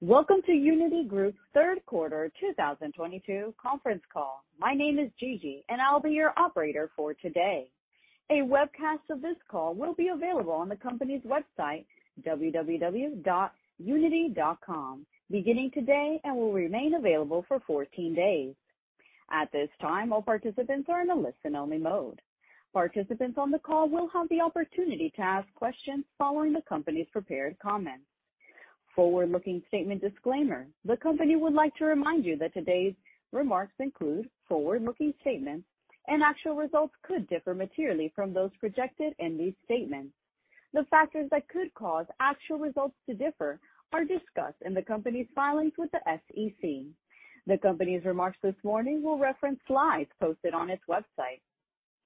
Welcome to Uniti Group's third quarter 2022 conference call. My name is Gigi, and I'll be your operator for today. A webcast of this call will be available on the company's website, www.uniti.com, beginning today and will remain available for 14 days. At this time, all participants are in a listen-only mode. Participants on the call will have the opportunity to ask questions following the company's prepared comments. Forward-looking statement disclaimer. The company would like to remind you that today's remarks include forward-looking statements, and actual results could differ materially from those projected in these statements. The factors that could cause actual results to differ are discussed in the company's filings with the SEC. The company's remarks this morning will reference slides posted on its website,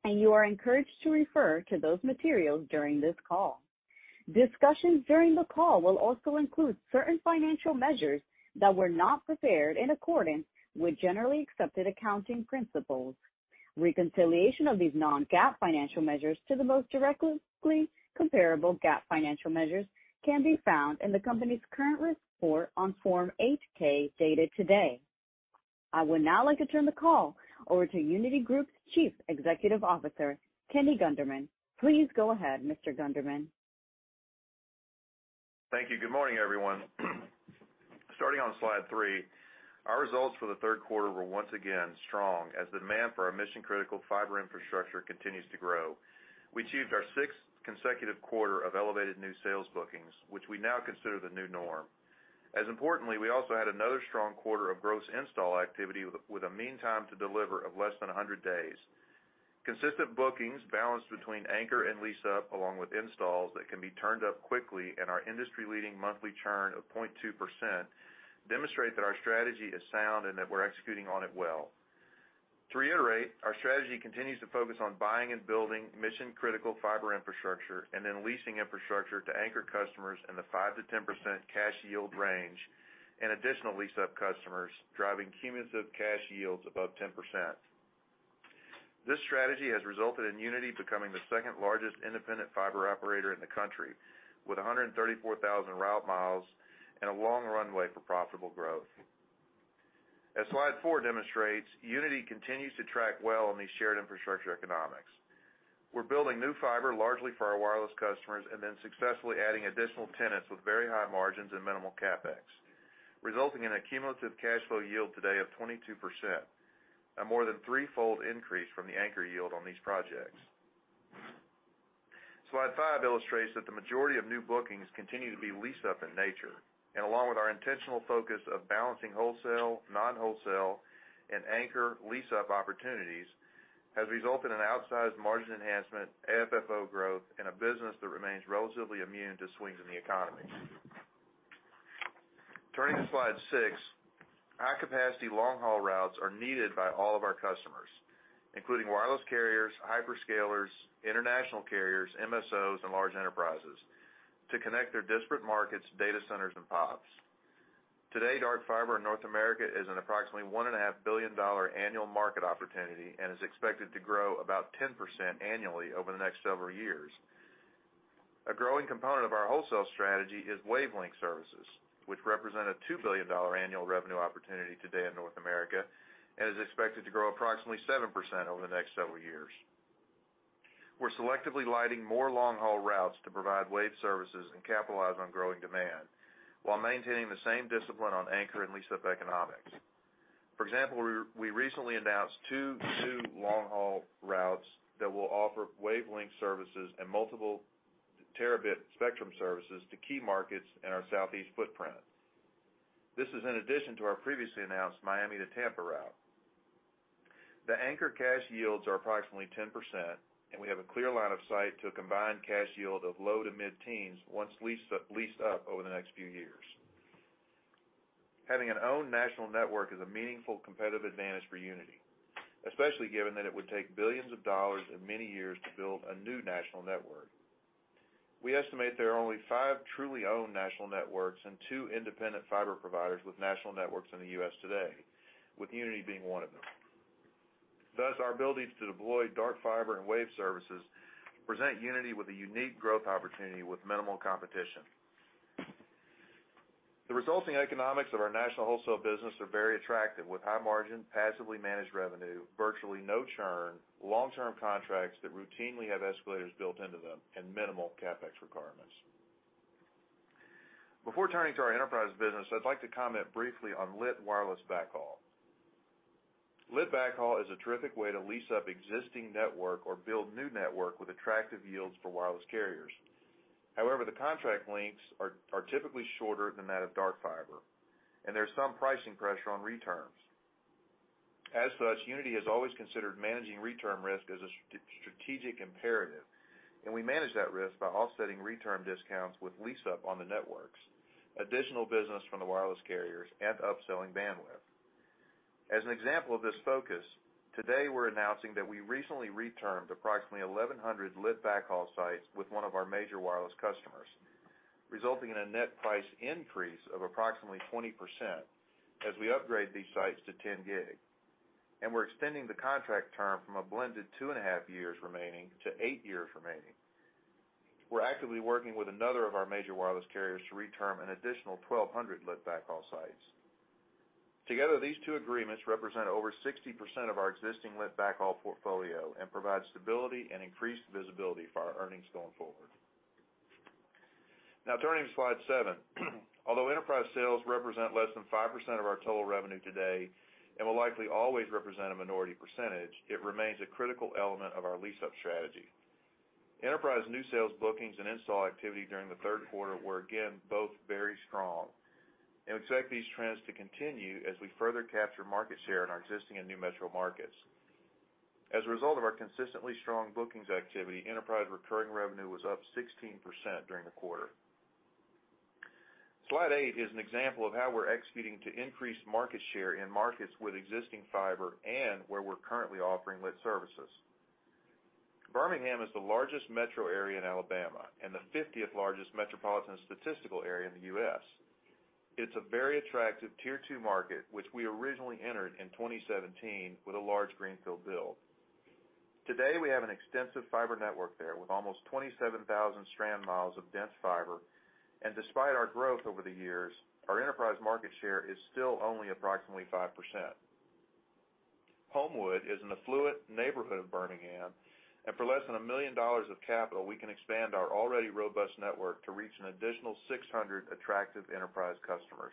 and you are encouraged to refer to those materials during this call. Discussions during the call will also include certain financial measures that were not prepared in accordance with generally accepted accounting principles. Reconciliation of these non-GAAP financial measures to the most directly comparable GAAP financial measures can be found in the company's current report on Form 8-K, dated today. I would now like to turn the call over to Uniti Group's Chief Executive Officer, Kenny Gunderman. Please go ahead, Mr. Gunderman. Thank you. Good morning, everyone. Starting on Slide 3, our results for the third quarter were once again strong as demand for our mission-critical fiber infrastructure continues to grow. We achieved our sixth consecutive quarter of elevated new sales bookings, which we now consider the new norm. As importantly, we also had another strong quarter of gross install activity with a mean time to deliver of less than 100 days. Consistent bookings balanced between anchor and lease-up, along with installs that can be turned up quickly in our industry-leading monthly churn of 0.2%, demonstrate that our strategy is sound and that we're executing on it well. To reiterate, our strategy continues to focus on buying and building mission-critical fiber infrastructure and then leasing infrastructure to anchor customers in the 5%-10% cash yield range and additional lease-up customers, driving cumulative cash yields above 10%. This strategy has resulted in Uniti becoming the second-largest independent fiber operator in the country, with 134,000 route miles and a long runway for profitable growth. Slide 4 demonstrates, Uniti continues to track well on these shared infrastructure economics. We're building new fiber largely for our wireless customers and then successfully adding additional tenants with very high margins and minimal CapEx, resulting in a cumulative cash flow yield today of 22%, a more than threefold increase from the anchor yield on these projects. Slide 5 illustrates that the majority of new bookings continue to be lease up in nature, and along with our intentional focus of balancing wholesale, non-wholesale, and anchor lease-up opportunities, has resulted in outsized margin enhancement, AFFO growth, and a business that remains relatively immune to swings in the economy. Turning to Slide 6, high-capacity long-haul routes are needed by all of our customers, including wireless carriers, hyperscalers, international carriers, MSOs, and large enterprises, to connect their disparate markets, data centers, and POPs. Today, dark fiber in North America is an approximately $1.5 billion annual market opportunity and is expected to grow about 10% annually over the next several years. A growing component of our wholesale strategy is wavelength services, which represent a $2 billion annual revenue opportunity today in North America and is expected to grow approximately 7% over the next several years. We're selectively lighting more long-haul routes to provide wave services and capitalize on growing demand while maintaining the same discipline on anchor and lease-up economics. For example, we recently announced two new long-haul routes that will offer wavelength services and multiple terabit spectrum services to key markets in our southeast footprint. This is in addition to our previously announced Miami to Tampa route. The anchor cash yields are approximately 10%, and we have a clear line of sight to a combined cash yield of low- to mid-teens once leased up over the next few years. Having an owned national network is a meaningful competitive advantage for Uniti, especially given that it would take billions of dollars and many years to build a new national network. We estimate there are only five truly owned national networks and two independent fiber providers with national networks in the U.S. today, with Uniti being one of them. Thus, our ability to deploy dark fiber and wave services present Uniti with a unique growth opportunity with minimal competition. The resulting economics of our national wholesale business are very attractive, with high margin, passively managed revenue, virtually no churn, long-term contracts that routinely have escalators built into them, and minimal CapEx requirements. Before turning to our enterprise business, I'd like to comment briefly on lit wireless backhaul. Lit backhaul is a terrific way to lease up existing network or build new network with attractive yields for wireless carriers. However, the contract lengths are typically shorter than that of dark fiber, and there's some pricing pressure on reterms. As such, Uniti has always considered managing reterm risk as a strategic imperative, and we manage that risk by offsetting reterm discounts with lease-up on the networks, additional business from the wireless carriers, and upselling bandwidth. As an example of this focus, today we're announcing that we recently reterm approximately 1,100 lit backhaul sites with one of our major wireless customers, resulting in a net price increase of approximately 20% as we upgrade these sites to 10 Gb. We're extending the contract term from a blended 2.5 years remaining to 8 years remaining. We're actively working with another of our major wireless carriers to reterm an additional 1,200 lit backhaul sites. Together, these two agreements represent over 60% of our existing lit backhaul portfolio and provide stability and increased visibility for our earnings going forward. Now, turning to Slide 7. Although enterprise sales represent less than 5% of our total revenue today and will likely always represent a minority percentage, it remains a critical element of our lease-up strategy. Enterprise new sales, bookings, and install activity during the third quarter were, again, both very strong. We expect these trends to continue as we further capture market share in our existing and new metro markets. As a result of our consistently strong bookings activity, enterprise recurring revenue was up 16% during the quarter. Slide 8 is an example of how we're executing to increase market share in markets with existing fiber and where we're currently offering lit services. Birmingham is the largest metro area in Alabama and the 50th largest metropolitan statistical area in the U.S. It's a very attractive Tier 2 market, which we originally entered in 2017 with a large greenfield build. Today, we have an extensive fiber network there with almost 27,000 strand miles of dense fiber. Despite our growth over the years, our enterprise market share is still only approximately 5%. Homewood is an affluent neighborhood of Birmingham, and for less than $1 million of capital, we can expand our already robust network to reach an additional 600 attractive enterprise customers.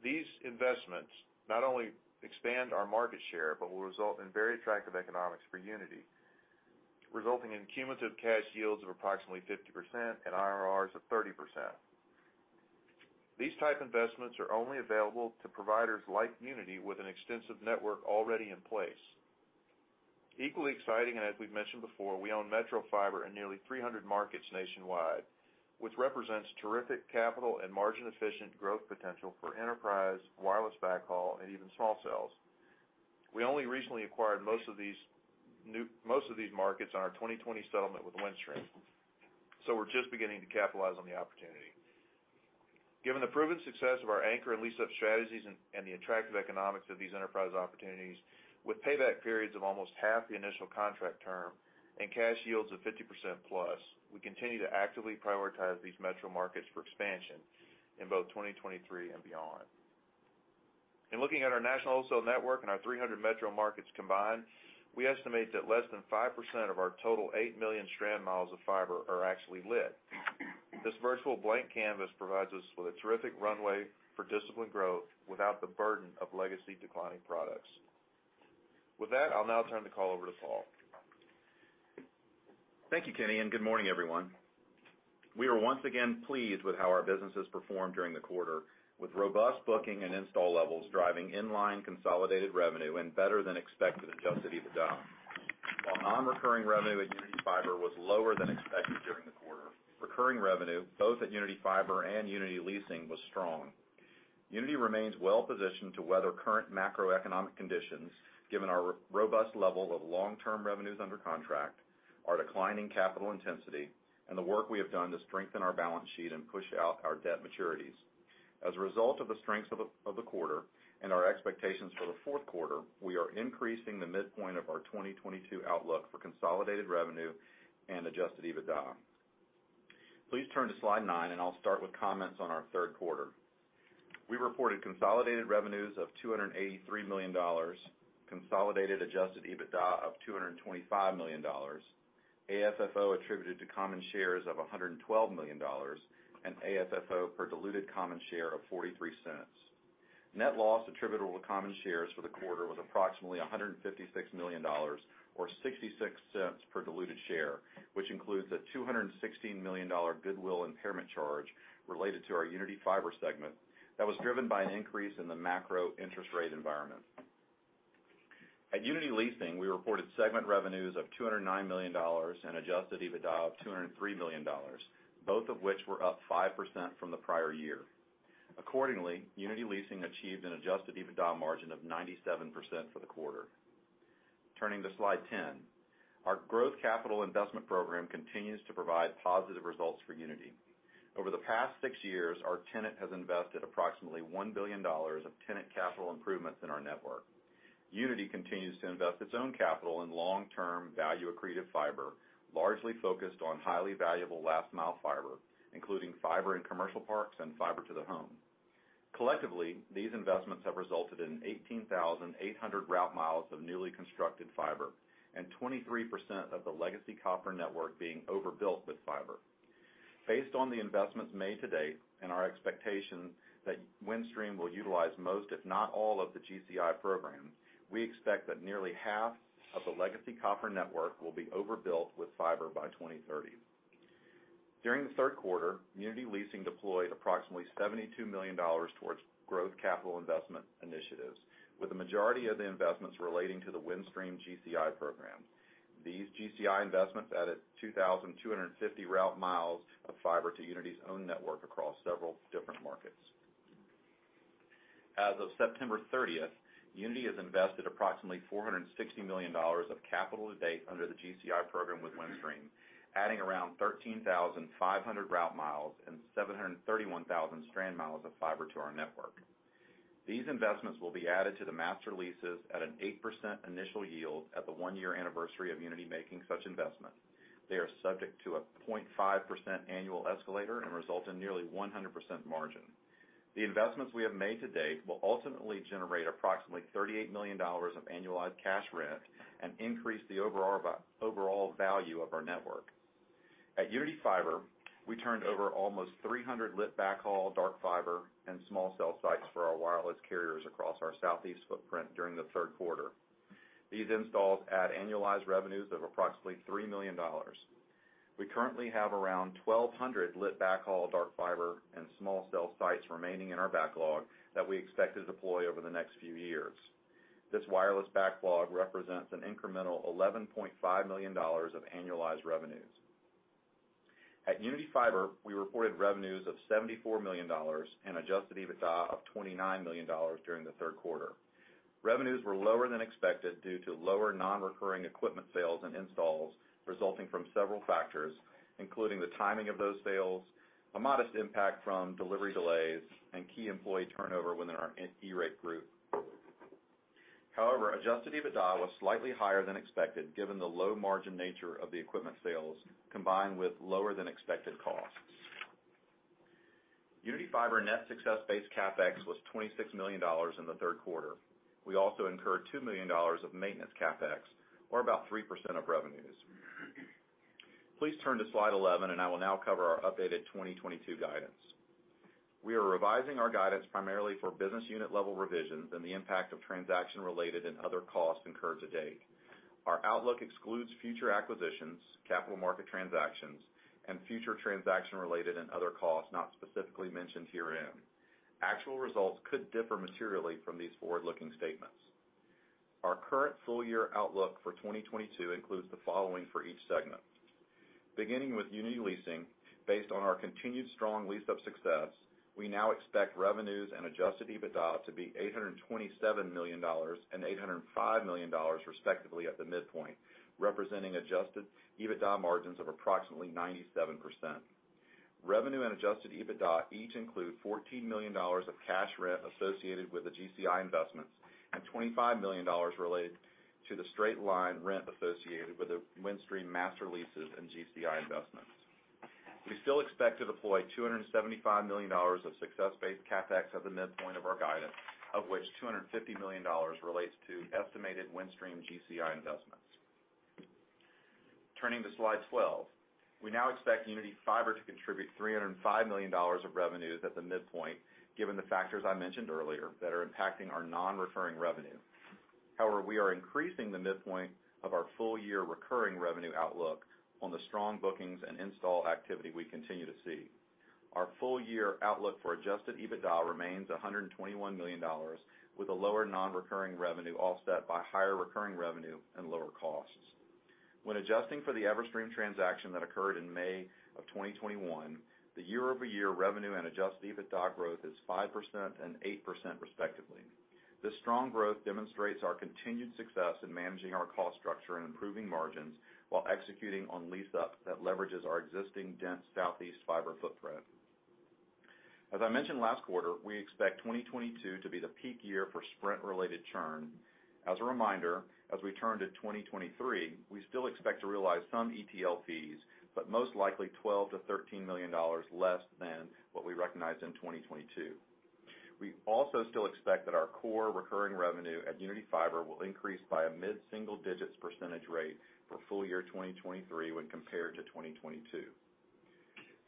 These investments not only expand our market share, but will result in very attractive economics for Uniti, resulting in cumulative cash yields of approximately 50% and IRRs of 30%. These type investments are only available to providers like Uniti with an extensive network already in place. Equally exciting, and as we've mentioned before, we own metro fiber in nearly 300 markets nationwide, which represents terrific capital and margin-efficient growth potential for enterprise, wireless backhaul, and even small cells. We only recently acquired most of these markets on our 2020 settlement with Windstream, so we're just beginning to capitalize on the opportunity. Given the proven success of our anchor and lease-up strategies and the attractive economics of these enterprise opportunities, with payback periods of almost half the initial contract term and cash yields of 50%+, we continue to actively prioritize these metro markets for expansion in both 2023 and beyond. In looking at our national wholesale network and our 300 metro markets combined, we estimate that less than 5% of our total 8 million strand miles of fiber are actually lit. This virtual blank canvas provides us with a terrific runway for disciplined growth without the burden of legacy declining products. With that, I'll now turn the call over to Paul. Thank you, Kenny, and good morning, everyone. We are once again pleased with how our business has performed during the quarter, with robust booking and install levels driving in-line consolidated revenue and better than expected Adjusted EBITDA. While non-recurring revenue at Uniti Fiber was lower than expected during the quarter, recurring revenue, both at Uniti Fiber and Uniti Leasing was strong. Uniti remains well-positioned to weather current macroeconomic conditions, given our robust level of long-term revenues under contract, our declining capital intensity, and the work we have done to strengthen our balance sheet and push out our debt maturities. As a result of the strengths of the quarter and our expectations for the fourth quarter, we are increasing the midpoint of our 2022 outlook for consolidated revenue and Adjusted EBITDA. Please turn to Slide 9, and I'll start with comments on our third quarter. We reported consolidated revenues of $283 million, consolidated Adjusted EBITDA of $225 million, AFFO attributed to common shares of $112 million, and AFFO per diluted common share of $0.43. Net loss attributable to common shares for the quarter was approximately $156 million or $0.66 per diluted share, which includes a $216 million goodwill impairment charge related to our Uniti Fiber segment that was driven by an increase in the macro interest rate environment. At Uniti Leasing, we reported segment revenues of $209 million and Adjusted EBITDA of $203 million, both of which were up 5% from the prior year. Accordingly, Uniti Leasing achieved an Adjusted EBITDA margin of 97% for the quarter. Turning to Slide 10. Our growth capital investment program continues to provide positive results for Uniti. Over the past six years, our tenant has invested approximately $1 billion of tenant capital improvements in our network. Uniti continues to invest its own capital in long-term value accretive fiber, largely focused on highly valuable last mile fiber, including fiber in commercial parks and fiber to the home. Collectively, these investments have resulted in 18,800 route miles of newly constructed fiber and 23% of the legacy copper network being overbuilt with fiber. Based on the investments made to date and our expectation that Windstream will utilize most, if not all, of the GCI program, we expect that nearly half of the legacy copper network will be overbuilt with fiber by 2030. During the third quarter, Uniti Leasing deployed approximately $72 million towards growth capital investment initiatives, with the majority of the investments relating to the Windstream GCI program. These GCI investments added 2,250 route miles of fiber to Uniti's own network across several different markets. As of September 30th, Uniti has invested approximately $460 million of capital to date under the GCI program with Windstream, adding around 13,500 route miles and 731,000 strand miles of fiber to our network. These investments will be added to the master leases at an 8% initial yield at the one-year anniversary of Uniti making such investment. They are subject to a 0.5% annual escalator and result in nearly 100% margin. The investments we have made to date will ultimately generate approximately $38 million of annualized cash rent and increase the overall value of our network. At Uniti Fiber, we turned over almost 300 lit backhaul dark fiber and small cell sites for our wireless carriers across our southeast footprint during the third quarter. These installs add annualized revenues of approximately $3 million. We currently have around 1,200 lit backhaul dark fiber and small cell sites remaining in our backlog that we expect to deploy over the next few years. This wireless backlog represents an incremental $11.5 million of annualized revenues. At Uniti Fiber, we reported revenues of $74 million and Adjusted EBITDA of $29 million during the third quarter. Revenues were lower than expected due to lower non-recurring equipment sales and installs resulting from several factors, including the timing of those sales, a modest impact from delivery delays, and key employee turnover within our E-rate group. However, Adjusted EBITDA was slightly higher than expected given the low margin nature of the equipment sales, combined with lower than expected costs. Uniti Fiber net success-based CapEx was $26 million in the third quarter. We also incurred $2 million of maintenance CapEx, or about 3% of revenues. Please turn to Slide 11 and I will now cover our updated 2022 guidance. We are revising our guidance primarily for business unit level revisions and the impact of transaction-related and other costs incurred to date. Our outlook excludes future acquisitions, capital market transactions, and future transaction-related and other costs not specifically mentioned herein. Actual results could differ materially from these forward-looking statements. Our current full year outlook for 2022 includes the following for each segment. Beginning with Uniti Leasing, based on our continued strong lease-up success, we now expect revenues and Adjusted EBITDA to be $827 million and $805 million respectively at the midpoint, representing Adjusted EBITDA margins of approximately 97%. Revenue and Adjusted EBITDA each include $14 million of cash rent associated with the GCI investments and $25 million related to the straight-line rent associated with the Windstream master leases and GCI investments. We still expect to deploy $275 million of success-based CapEx at the midpoint of our guidance, of which $250 million relates to estimated Windstream GCI investments. Turning to Slide 12. We now expect Uniti Fiber to contribute $305 million of revenues at the midpoint, given the factors I mentioned earlier that are impacting our non-recurring revenue. However, we are increasing the midpoint of our full year recurring revenue outlook on the strong bookings and install activity we continue to see. Our full year outlook for Adjusted EBITDA remains $121 million, with a lower non-recurring revenue offset by higher recurring revenue and lower costs. When adjusting for the Everstream transaction that occurred in May 2021, the year-over-year revenue and Adjusted EBITDA growth is 5% and 8% respectively. This strong growth demonstrates our continued success in managing our cost structure and improving margins while executing on lease-up that leverages our existing dense southeast fiber footprint. As I mentioned last quarter, we expect 2022 to be the peak year for Sprint-related churn. As a reminder, as we turn to 2023, we still expect to realize some ETL fees, but most likely $12 million-$13 million less than what we recognized in 2022. We also still expect that our core recurring revenue at Uniti Fiber will increase by a mid-single digits percentage rate for full year 2023 when compared to 2022.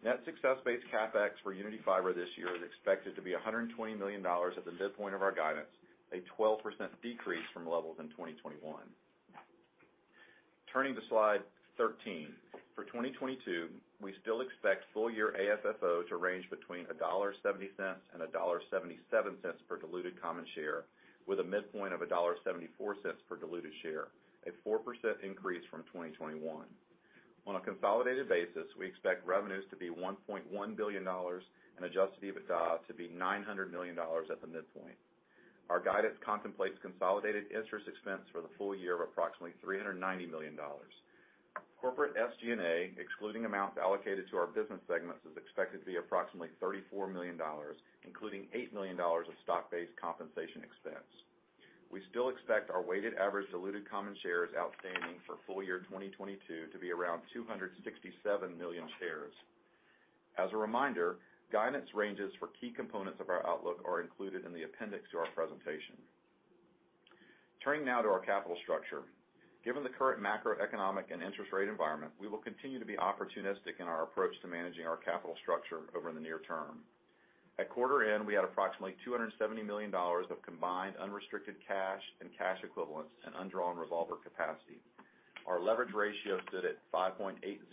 Net success-based CapEx for Uniti Fiber this year is expected to be $120 million at the midpoint of our guidance, a 12% decrease from levels in 2021. Turning to Slide 13. For 2022, we still expect full-year AFFO to range between $1.70 and $1.77 per diluted common share, with a midpoint of $1.74 per diluted share, a 4% increase from 2021. On a consolidated basis, we expect revenues to be $1.1 billion and Adjusted EBITDA to be $900 million at the midpoint. Our guidance contemplates consolidated interest expense for the full year of approximately $390 million. Corporate SG&A, excluding amounts allocated to our business segments, is expected to be approximately $34 million, including $8 million of stock-based compensation expense. We still expect our weighted average diluted common shares outstanding for full-year 2022 to be around 267 million shares. As a reminder, guidance ranges for key components of our outlook are included in the appendix to our presentation. Turning now to our capital structure. Given the current macroeconomic and interest rate environment, we will continue to be opportunistic in our approach to managing our capital structure over the near term. At quarter end, we had approximately $270 million of combined unrestricted cash and cash equivalents and undrawn revolver capacity. Our leverage ratio stood at 5.80x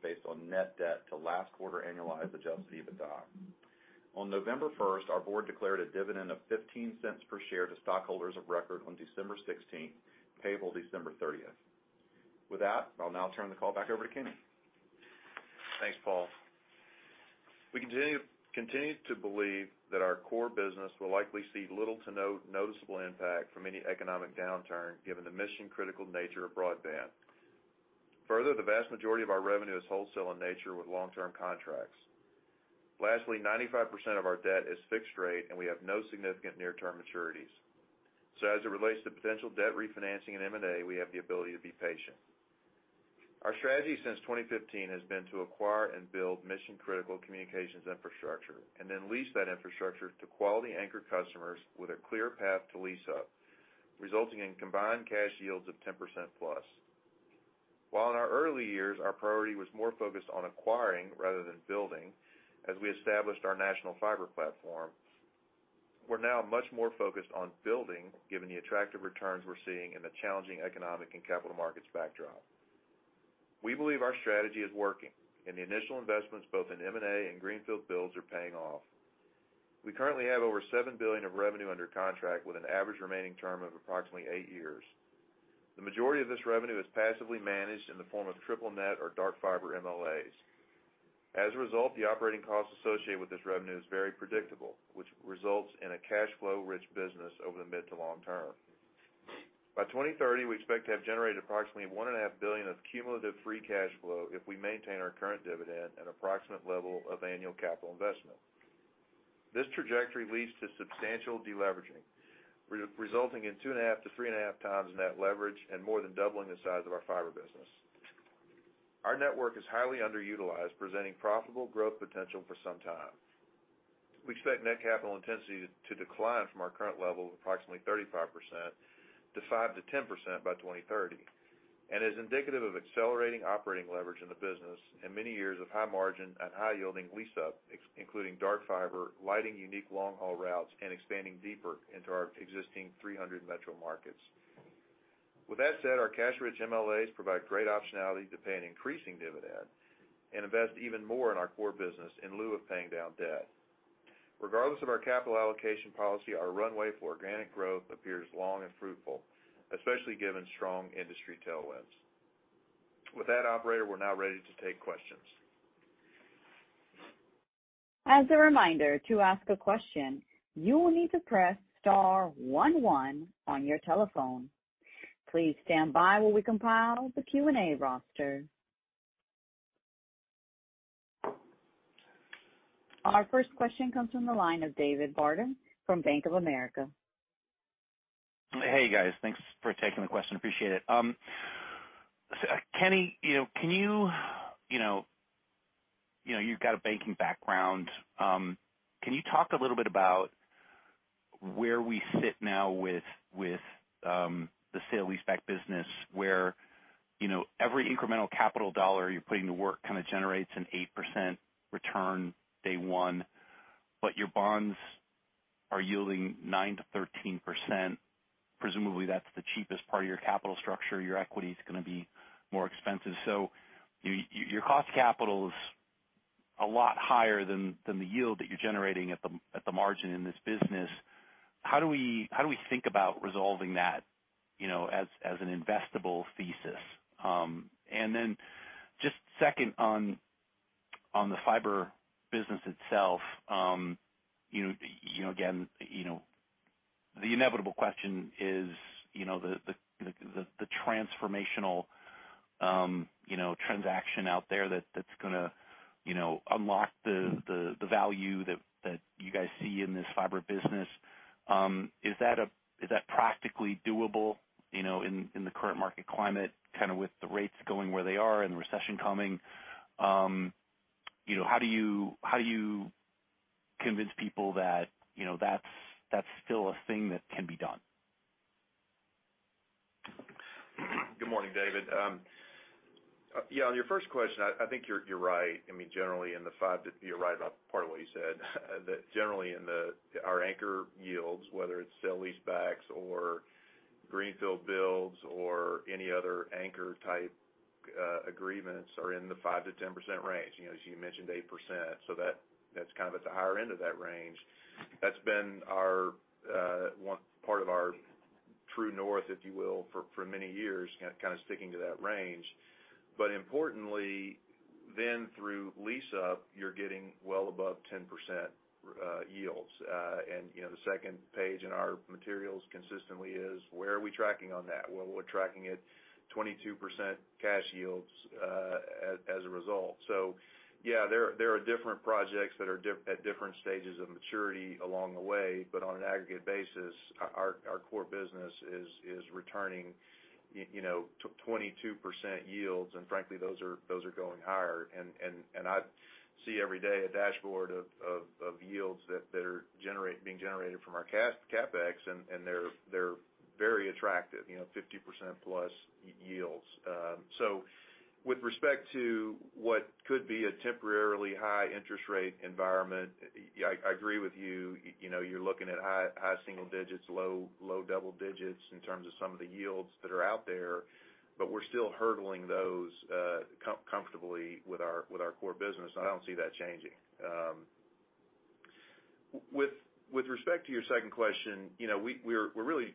based on net debt to last quarter annualized Adjusted EBITDA. On November 1st, our board declared a dividend of $0.15 per share to stockholders of record on December 16th, payable December 30th. With that, I'll now turn the call back over to Kenny. Thanks, Paul. We continue to believe that our core business will likely see little to no noticeable impact from any economic downturn given the mission-critical nature of broadband. Further, the vast majority of our revenue is wholesale in nature with long-term contracts. Lastly, 95% of our debt is fixed rate, and we have no significant near-term maturities. As it relates to potential debt refinancing and M&A, we have the ability to be patient. Our strategy since 2015 has been to acquire and build mission-critical communications infrastructure, and then lease that infrastructure to quality anchor customers with a clear path to lease up, resulting in combined cash yields of 10%+. While in our early years, our priority was more focused on acquiring rather than building as we established our national fiber platform, we're now much more focused on building given the attractive returns we're seeing in the challenging economic and capital markets backdrop. We believe our strategy is working and the initial investments both in M&A and greenfield builds are paying off. We currently have over $7 billion of revenue under contract with an average remaining term of approximately 8 years. The majority of this revenue is passively managed in the form of triple net or dark fiber MLAs. As a result, the operating costs associated with this revenue is very predictable, which results in a cash flow-rich business over the mid to long term. By 2030, we expect to have generated approximately $1.5 billion of cumulative free cash flow if we maintain our current dividend at an approximate level of annual capital investment. This trajectory leads to substantial deleveraging, resulting in 2.5x-3.5x net leverage and more than doubling the size of our fiber business. Our network is highly underutilized, presenting profitable growth potential for some time. We expect net capital intensity to decline from our current level of approximately 35% to 5%-10% by 2030, and is indicative of accelerating operating leverage in the business and many years of high margin and high yielding lease up, including dark fiber, lighting unique long-haul routes, and expanding deeper into our existing 300 metro markets. With that said, our cash-rich MLAs provide great optionality to pay an increasing dividend and invest even more in our core business in lieu of paying down debt. Regardless of our capital allocation policy, our runway for organic growth appears long and fruitful, especially given strong industry tailwinds. With that, operator, we're now ready to take questions. As a reminder, to ask a question, you will need to press star one one on your telephone. Please stand by while we compile the Q&A roster. Our first question comes from the line of David Barden from Bank of America. Hey, guys. Thanks for taking the question. Appreciate it. Kenny, you know, can you talk a little bit about where we sit now with the sale leaseback business where, you know, every incremental capital dollar you're putting to work kind of generates an 8% return day one, but your bonds are yielding 9%-13%. Presumably, that's the cheapest part of your capital structure. Your equity is gonna be more expensive. Your cost of capital is a lot higher than the yield that you're generating at the margin in this business. How do we think about resolving that, you know, as an investable thesis? Just second on the fiber business itself, you know, again, you know, the inevitable question is, you know, the transformational, you know, transaction out there that's gonna, you know, unlock the value that you guys see in this fiber business. Is that practically doable, you know, in the current market climate, kind of with the rates going where they are and the recession coming? You know, how do you convince people that, you know, that's still a thing that can be done? Good morning, David. Yeah, on your first question, I think you're right. I mean, you're right about part of what you said that generally our anchor yields, whether it's sale-leasebacks or greenfield builds or any other anchor-type agreements, are in the 5%-10% range. You know, as you mentioned, 8%. So that's kind of at the higher end of that range. That's been our one part of our true north, if you will, for many years, kind of sticking to that range. But importantly, then through lease-up, you're getting well above 10% yields. You know, the second page in our materials consistently is where are we tracking on that? Well, we're tracking at 22% cash yields as a result. Yeah, there are different projects that are at different stages of maturity along the way. On an aggregate basis, our core business is returning, you know, 22% yields, and frankly, those are going higher. I see every day a dashboard of yields that are being generated from our CapEx, and they're very attractive, you know, 50%+ yields. With respect to what could be a temporarily high interest rate environment, I agree with you. You know, you're looking at high single digits, low double digits in terms of some of the yields that are out there, but we're still hurdling those comfortably with our core business, and I don't see that changing. With respect to your second question, you know, we're really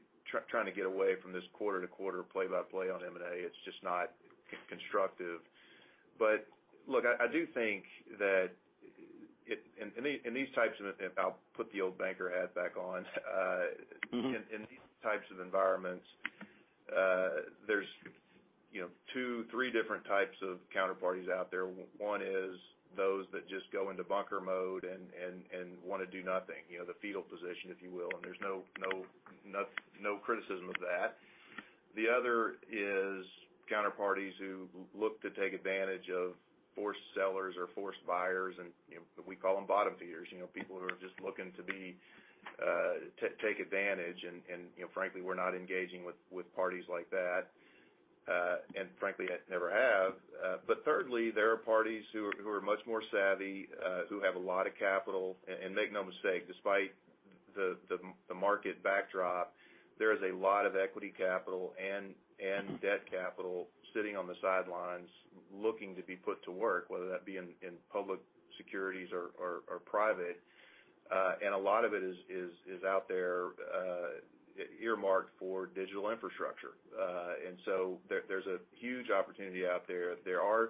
trying to get away from this quarter to quarter play by play on M&A. It's just not constructive. Look, I do think that in these types of, I'll put the old banker hat back on. Mm-hmm. In these types of environments, there's, you know, two, three different types of counterparties out there. One is those that just go into bunker mode and wanna do nothing, you know, the fetal position, if you will, and there's no criticism of that. The other is counterparties who look to take advantage of forced sellers or forced buyers and, you know, we call them bottom feeders, you know, people who are just looking to take advantage and, you know, frankly, we're not engaging with parties like that, and frankly, never have. Thirdly, there are parties who are much more savvy, who have a lot of capital. Make no mistake, despite the market backdrop, there is a lot of equity capital and debt capital sitting on the sidelines looking to be put to work, whether that be in public securities or private. A lot of it is out there, earmarked for digital infrastructure. There's a huge opportunity out there. There are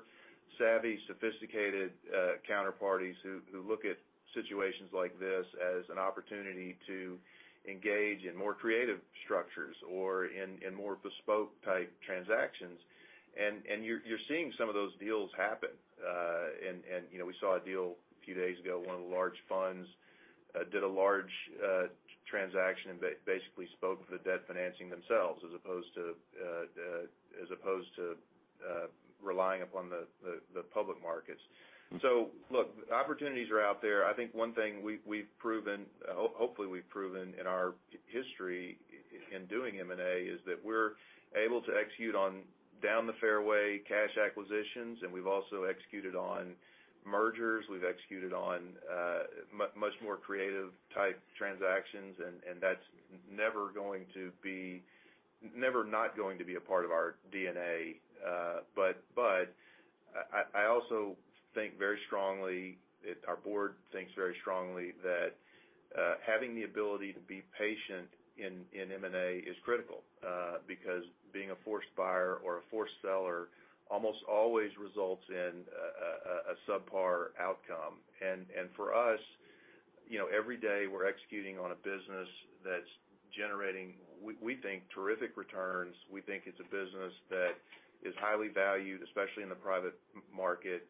savvy, sophisticated counterparties who look at situations like this as an opportunity to engage in more creative structures or in more bespoke type transactions. You're seeing some of those deals happen. You know, we saw a deal a few days ago. One of the large funds did a large transaction and basically spoke for the debt financing themselves as opposed to relying upon the public markets. Look, opportunities are out there. I think one thing we've proven, hopefully we've proven in our history in doing M&A, is that we're able to execute on down the fairway cash acquisitions, and we've also executed on mergers. We've executed on much more creative type transactions, and that's never not going to be a part of our DNA. I also think very strongly, our Board thinks very strongly that having the ability to be patient in M&A is critical, because being a forced buyer or a forced seller almost always results in a subpar outcome. For us, you know, every day, we're executing on a business that's generating we think terrific returns. We think it's a business that is highly valued, especially in the private market.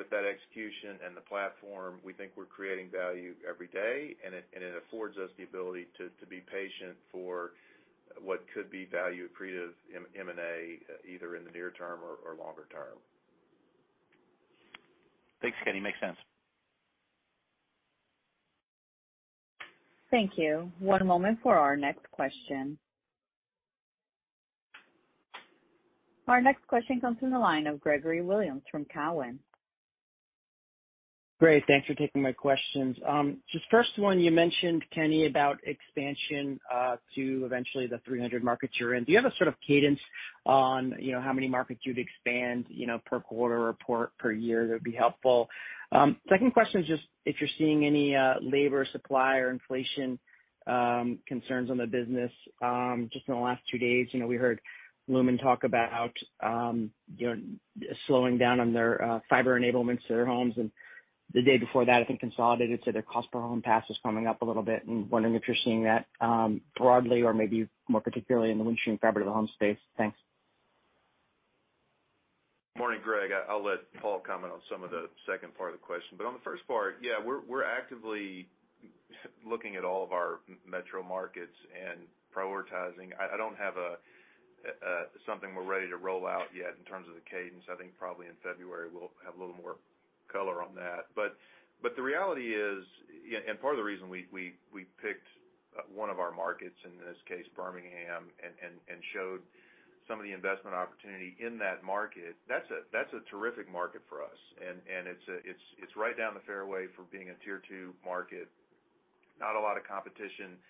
With that execution and the platform, we think we're creating value every day, and it affords us the ability to be patient for what could be value accretive M&A, either in the near term or longer term. Thanks, Kenny. Makes sense. Thank you. One moment for our next question. Our next question comes from the line of Gregory Williams from Cowen. Great. Thanks for taking my questions. Just first one, you mentioned, Kenny, about expansion to eventually the 300 markets you're in. Do you have a sort of cadence on, you know, how many markets you'd expand, you know, per quarter or per year? That'd be helpful. Second question is just if you're seeing any labor supply or inflation concerns on the business. Just in the last 2 days, you know, we heard Lumen talk about, you know, slowing down on their fiber enablements to their homes. The day before that, I think Consolidated said their cost per home pass is coming up a little bit. I'm wondering if you're seeing that broadly or maybe more particularly in the Windstream fiber to the home space. Thanks. Morning, Greg. I'll let Paul comment on some of the second part of the question. On the first part, yeah, we're actively looking at all of our metro markets and prioritizing. I don't have a something we're ready to roll out yet in terms of the cadence. I think probably in February we'll have a little more color on that. The reality is, yeah, and part of the reason we picked one of our markets, in this case, Birmingham, and showed some of the investment opportunity in that market, that's a terrific market for us. It's right down the fairway for being a Tier 2 market. Not a lot of competition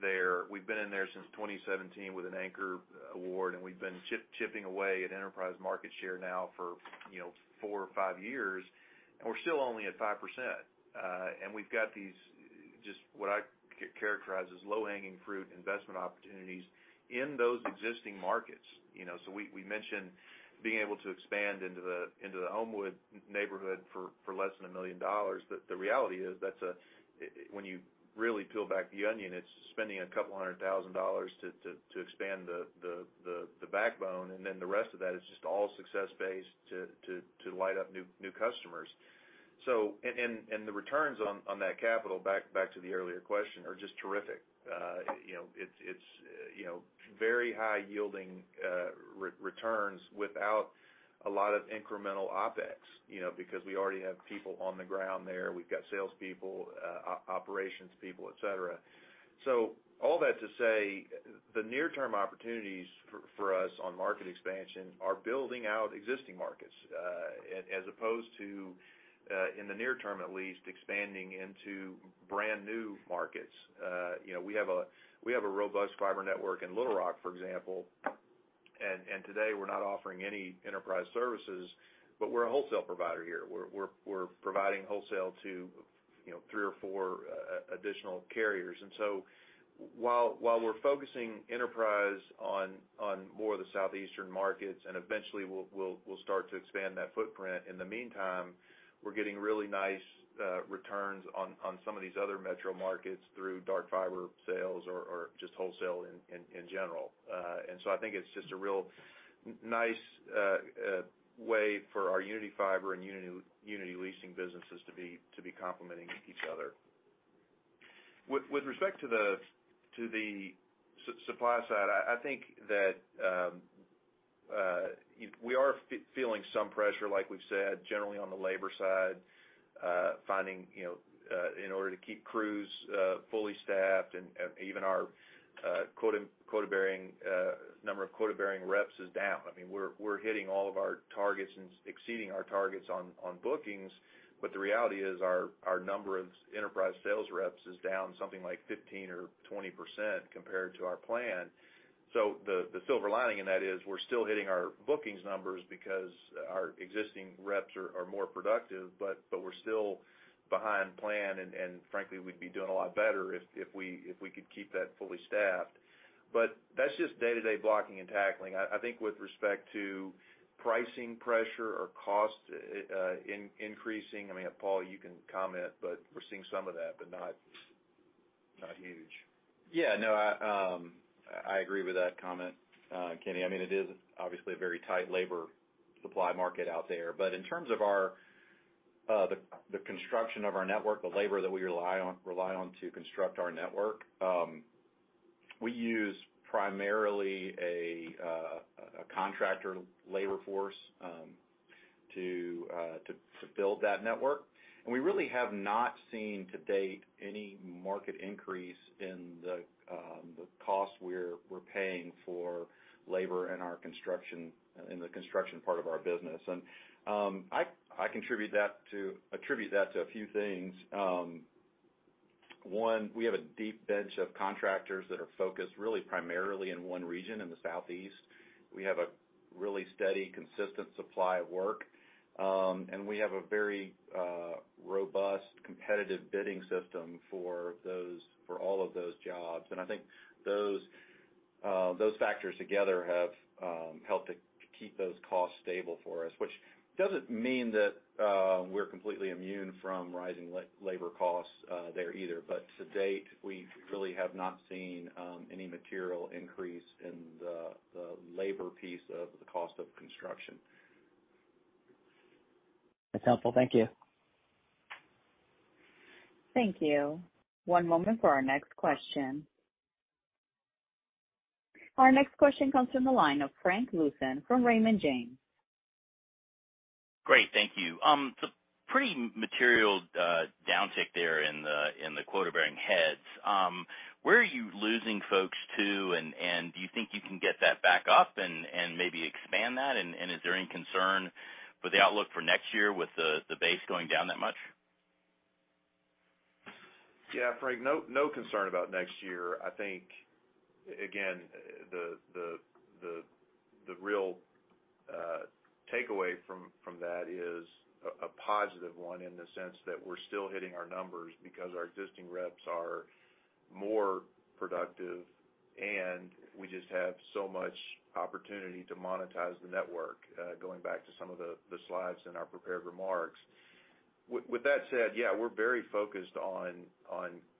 there. We've been in there since 2017 with an anchor award, and we've been chipping away at enterprise market share now for, you know, 4 or 5 years, and we're still only at 5%. We've got these just what I characterize as low hanging fruit investment opportunities in those existing markets, you know. We mentioned being able to expand into the Homewood neighborhood for less than $1 million. The reality is that's when you really peel back the onion, it's spending a couple hundred thousand dollars to expand the backbone, and then the rest of that is just all success-based to light up new customers. The returns on that capital, back to the earlier question, are just terrific. You know, it's very high yielding returns without a lot of incremental OpEx, you know, because we already have people on the ground there. We've got salespeople, operations people, et cetera. All that to say the near term opportunities for us on market expansion are building out existing markets, as opposed to, in the near term at least, expanding into brand new markets. You know, we have a robust fiber network in Little Rock, for example. Today we're not offering any enterprise services, but we're a wholesale provider here. We're providing wholesale to, you know, 3 or 4 additional carriers. While we're focusing enterprise on more of the southeastern markets, and eventually we'll start to expand that footprint. In the meantime, we're getting really nice returns on some of these other metro markets through dark fiber sales or just wholesale in general. I think it's just a real nice way for our Uniti Fiber and Uniti Leasing businesses to be complementing each other. With respect to the supply side, I think that we are feeling some pressure, like we've said, generally on the labor side, finding you know in order to keep crews fully staffed and even our number of quota-bearing reps is down. I mean, we're hitting all of our targets and exceeding our targets on bookings, but the reality is our number of enterprise sales reps is down something like 15% or 20% compared to our plan. The silver lining in that is we're still hitting our bookings numbers because our existing reps are more productive, but we're still behind plan. Frankly, we'd be doing a lot better if we could keep that fully staffed. That's just day-to-day blocking and tackling. I think with respect to pricing pressure or cost increasing, I mean, Paul, you can comment, but we're seeing some of that, but not huge. Yeah, no, I agree with that comment, Kenny. I mean, it is obviously a very tight labor supply market out there. In terms of the construction of our network, the labor that we rely on to construct our network, we use primarily a contractor labor force to build that network. We really have not seen to date any market increase in the cost we're paying for labor in our construction, in the construction part of our business. I attribute that to a few things. One, we have a deep bench of contractors that are focused really primarily in one region in the Southeast. We have a really steady, consistent supply of work, and we have a very robust competitive bidding system for those, for all of those jobs. I think those factors together have helped to keep those costs stable for us, which doesn't mean that we're completely immune from rising labor costs there either. To date, we really have not seen any material increase in the labor piece of the cost of construction. That's helpful. Thank you. Thank you. One moment for our next question. Our next question comes from the line of Frank Louthan from Raymond James. Great. Thank you. Pretty material downtick there in the quota-bearing heads. Where are you losing folks to? And do you think you can get that back up and maybe expand that? And is there any concern for the outlook for next year with the base going down that much? Yeah, Frank, no concern about next year. I think, again, the real takeaway from that is a positive one in the sense that we're still hitting our numbers because our existing reps are more productive, and we just have so much opportunity to monetize the network, going back to some of the slides in our prepared remarks. With that said, yeah, we're very focused on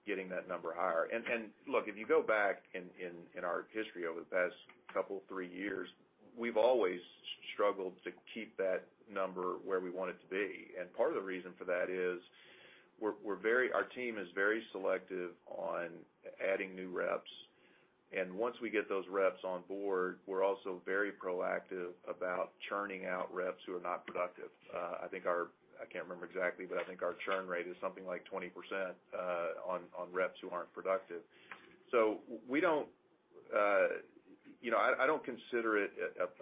getting that number higher. Look, if you go back in our history over the past couple, three years, we've always struggled to keep that number where we want it to be. Part of the reason for that is our team is very selective on adding new reps. Once we get those reps on board, we're also very proactive about churning out reps who are not productive. I think our churn rate is something like 20%, on reps who aren't productive. We don't, you know, I don't consider it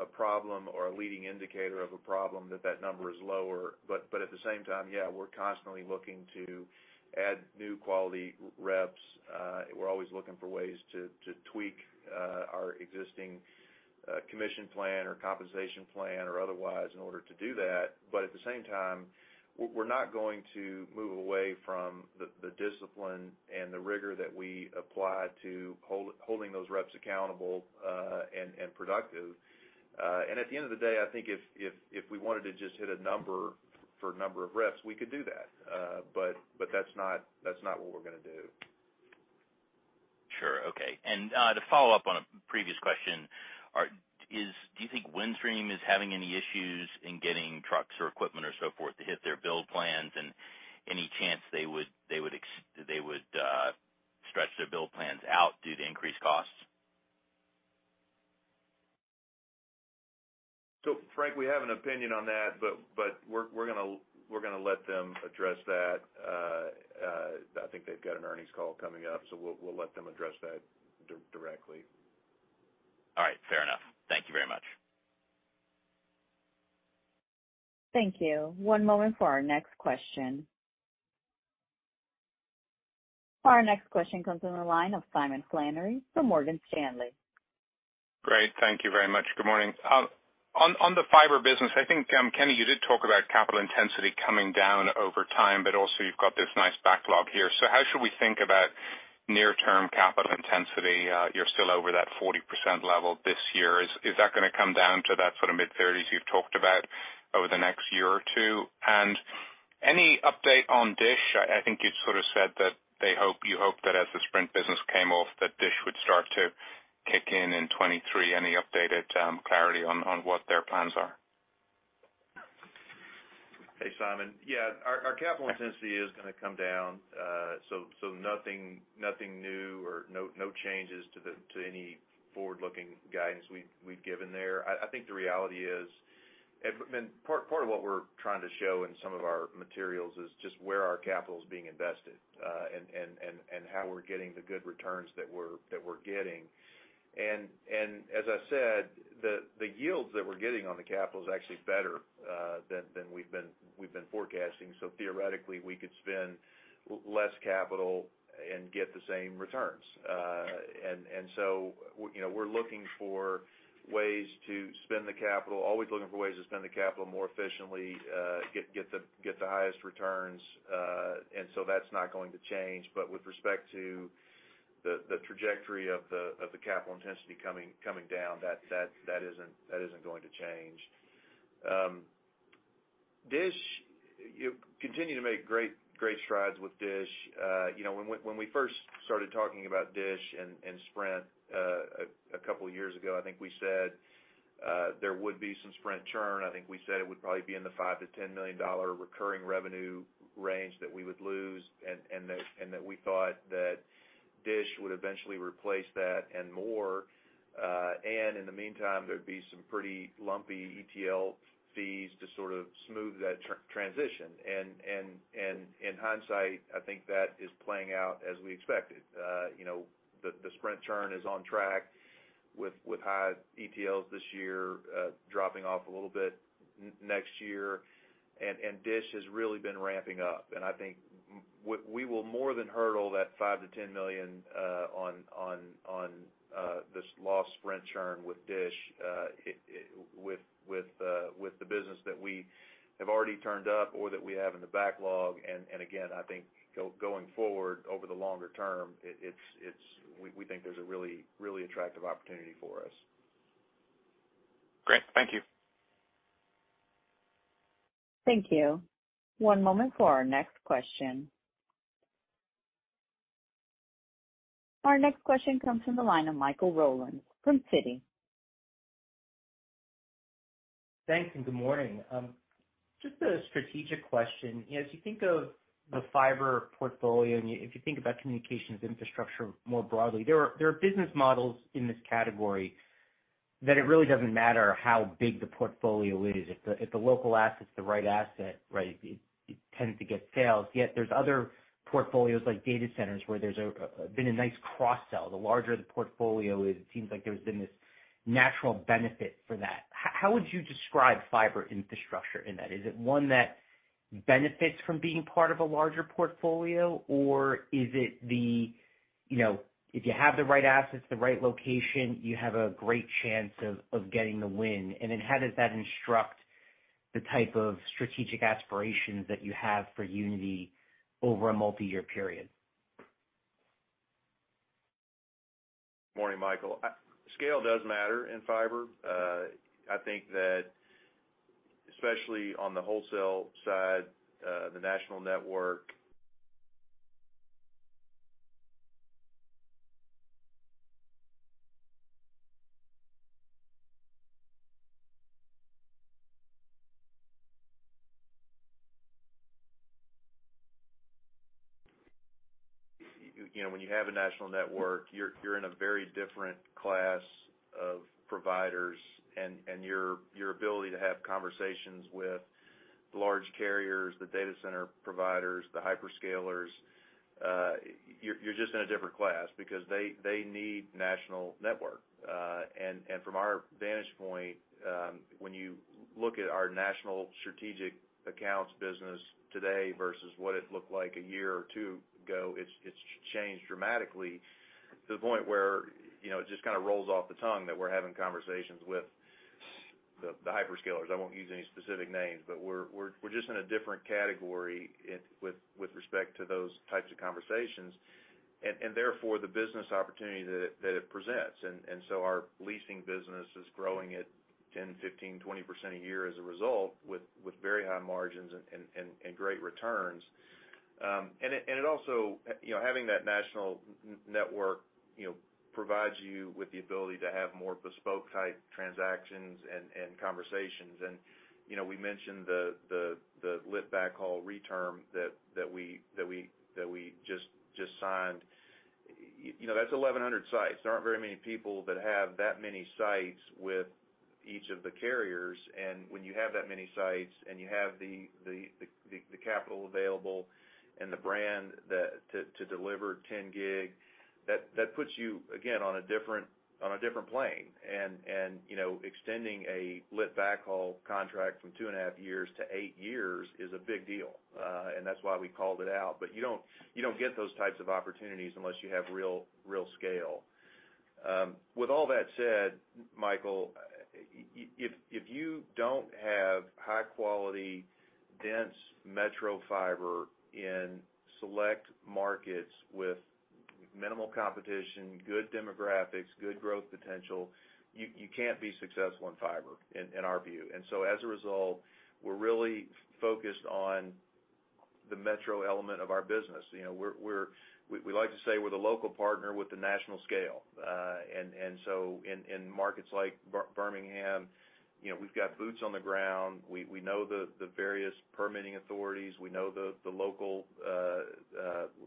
a problem or a leading indicator of a problem that that number is lower. At the same time, yeah, we're constantly looking to add new quality reps. We're always looking for ways to tweak our existing commission plan or compensation plan or otherwise in order to do that. At the same time, we're not going to move away from the discipline and the rigor that we apply to holding those reps accountable, and productive. At the end of the day, I think if we wanted to just hit a number for number of reps, we could do that. That's not what we're gonna do. Sure. Okay. To follow up on a previous question, do you think Windstream is having any issues in getting trucks or equipment or so forth to hit their build plans, and any chance they would stretch their build plans out due to increased costs? Frank, we have an opinion on that, but we're gonna let them address that. I think they've got an earnings call coming up, we'll let them address that directly. All right. Fair enough. Thank you very much. Thank you. One moment for our next question. Our next question comes from the line of Simon Flannery from Morgan Stanley. Great. Thank you very much. Good morning. On the fiber business, I think, Kenny, you did talk about capital intensity coming down over time, but also you've got this nice backlog here. How should we think about near-term capital intensity? You're still over that 40% level this year. Is that gonna come down to that sort of mid-30s% you've talked about over the next year or two? And any update on DISH? I think you'd sort of said that you hope that as the Sprint business came off, that DISH would start to kick in in 2023. Any updated clarity on what their plans are? Hey, Simon. Yeah, our capital intensity is gonna come down. So nothing new or no changes to any forward-looking guidance we've given there. I think the reality is, and I mean, part of what we're trying to show in some of our materials is just where our capital is being invested, and how we're getting the good returns that we're getting. And as I said, the yields that we're getting on the capital is actually better than we've been forecasting. So theoretically, we could spend less capital and get the same returns. And so, you know, we're looking for ways to spend the capital, always looking for ways to spend the capital more efficiently, get the highest returns. That's not going to change. With respect to the trajectory of the capital intensity coming down, that isn't going to change. DISH, you continue to make great strides with DISH. You know, when we first started talking about DISH and Sprint a couple of years ago, I think we said there would be some Sprint churn. I think we said it would probably be in the $5 million-$10 million recurring revenue range that we would lose, and that we thought that DISH would eventually replace that and more. In the meantime, there'd be some pretty lumpy ETL fees to sort of smooth that transition. In hindsight, I think that is playing out as we expected. You know, the Sprint churn is on track with high ETLs this year, dropping off a little bit next year. DISH has really been ramping up. I think we will more than hurdle that $5 million-$10 million on this lost Sprint churn with DISH, with the business that we have already turned up or that we have in the backlog. Again, I think going forward over the longer term, we think there's a really, really attractive opportunity for us. Great. Thank you. Thank you. One moment for our next question. Our next question comes from the line of Michael Rollins from Citi. Thanks. Good morning. Just a strategic question. As you think of the fiber portfolio, and if you think about communications infrastructure more broadly, there are business models in this category that it really doesn't matter how big the portfolio is. If the local asset is the right asset, right, it tends to get sales. Yet there's other portfolios like data centers where there's been a nice cross sell. The larger the portfolio is, it seems like there's been this natural benefit for that. How would you describe fiber infrastructure in that? Is it one that benefits from being part of a larger portfolio, or is it, you know, if you have the right assets, the right location, you have a great chance of getting the win? How does that instruct the type of strategic aspirations that you have for Uniti over a multiyear period? Morning, Michael. Scale does matter in fiber. I think that especially on the wholesale side, the national network. You know, when you have a national network, you're in a very different class of providers, and your ability to have conversations with large carriers, the data center providers, the hyperscalers, you're just in a different class because they need national network. And from our vantage point, when you look at our national strategic accounts business today versus what it looked like a year or two ago, it's changed dramatically to the point where, you know, it just kinda rolls off the tongue that we're having conversations with the hyperscalers. I won't use any specific names. We're just in a different category with respect to those types of conversations and therefore the business opportunity that it presents. So our leasing business is growing at 10%, 15%, 20% a year as a result with very high margins and great returns. It also, you know, having that national network, you know, provides you with the ability to have more bespoke type transactions and conversations. You know, we mentioned the lit backhaul reterm that we just signed. You know, that's 1,100 sites. There aren't very many people that have that many sites with each of the carriers. When you have that many sites and you have the capital available and the brand to deliver 10 Gb, that puts you, again, on a different plane. You know, extending a lit backhaul contract from 2.5 years to 8 years is a big deal, and that's why we called it out. You don't get those types of opportunities unless you have real scale. With all that said, Michael, if you don't have high quality, dense metro fiber in select markets with minimal competition, good demographics, good growth potential, you can't be successful in fiber, in our view. As a result, we're really focused on the metro element of our business. You know, we're the local partner with the national scale. In markets like Birmingham, you know, we've got boots on the ground. We know the various permitting authorities. We know the local.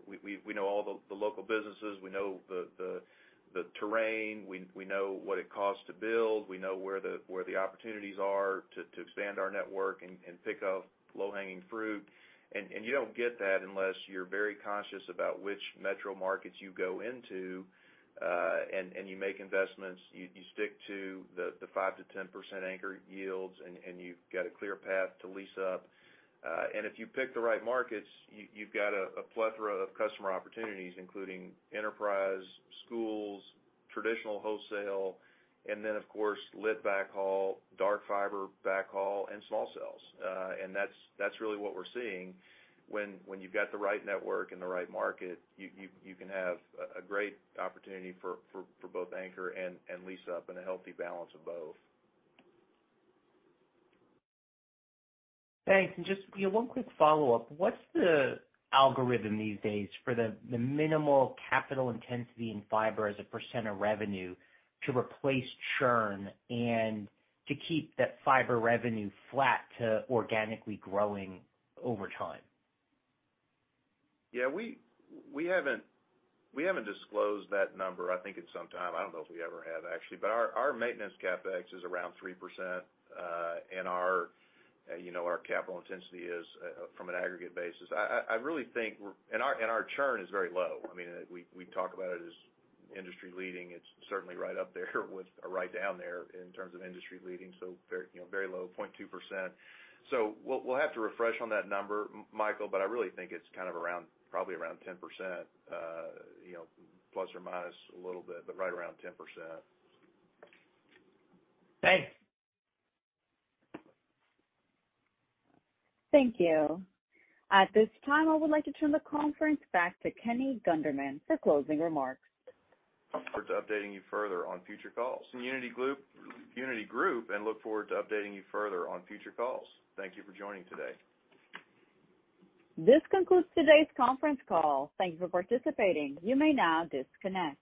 We know all the local businesses. We know the terrain. We know what it costs to build. We know where the opportunities are to expand our network and pick up low-hanging fruit. You don't get that unless you're very conscious about which metro markets you go into, and you make investments. You stick to the 5%-10% anchor yields, and you've got a clear path to lease up. If you pick the right markets, you've got a plethora of customer opportunities, including enterprise, schools, traditional wholesale, and then, of course, lit backhaul, dark fiber backhaul, and small cells. That's really what we're seeing. When you've got the right network and the right market, you can have a great opportunity for both anchor and lease up and a healthy balance of both. Thanks. Just, you know, one quick follow-up. What's the algorithm these days for the minimal capital intensity in fiber as a percent of revenue to replace churn and to keep that fiber revenue flat to organically growing over time? Yeah, we haven't disclosed that number I think in some time. I don't know if we ever have, actually. Our maintenance CapEx is around 3%, and you know, our capital intensity is from an aggregate basis. I really think we're our churn is very low. I mean, we talk about it as industry-leading. It's certainly right up there with or right down there in terms of industry-leading, so very, you know, very low, 0.2%. We'll have to refresh on that number, Michael, but I really think it's kind of around, probably around 10%, you know, plus or minus a little bit, but right around 10%. Thanks. Thank you. At this time, I would like to turn the conference back to Kenny Gunderman for closing remarks. Look forward to updating you further on future calls. Uniti Group. Thank you for joining today. This concludes today's conference call. Thank you for participating. You may now disconnect.